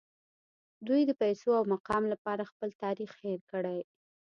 دوی د پیسو او مقام لپاره خپل تاریخ هیر کړی